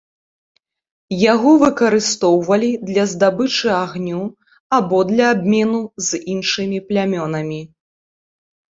Яго выкарыстоўвалі для здабычы агню або для абмену з іншымі плямёнамі.